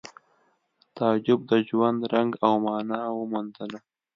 تعجب د ژوند رنګ او مانا وموندله